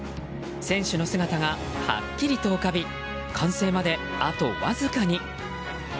選手の姿がはっきりと浮かび完成まであとわずかに。